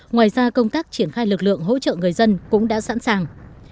ngoài ra công tác triển khai lực lượng hỗ trợ người dân cũng đã sẵn sàng